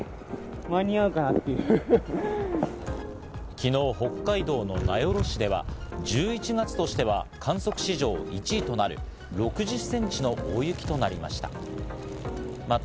昨日、北海道の名寄市では１１月としては観測史上１位となる６０ｃｍの大雪となりました。